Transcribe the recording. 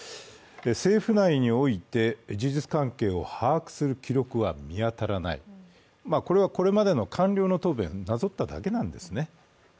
政府内において事実関係を把握する記録は見当たらない、これはこれまでの官僚の答弁をなぞっただけなんですね。